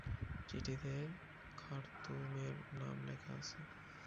চিঠিতে খার্তুমের নাম লেখা আছে।